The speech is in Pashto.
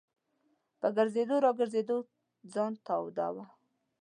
په ګرځېدو را ګرځېدو ځان توداوه.